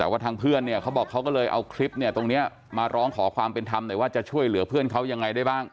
แต่ว่าทางเพื่อนเนี่ยเขาบอกเขาก็เลยเอาคลิปเนี่ยตรงนี้มาร้องขอความเป็นธรรมหน่อยว่าจะช่วยเหลือเพื่อนเขายังไงได้บ้าง